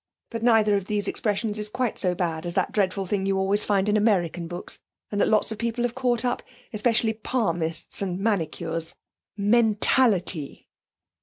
But neither of these expressions is quite so bad as that dreadful thing you always find in American books, and that lots of people have caught up especially palmists and manicures mentality.'